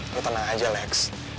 lo tenang aja lex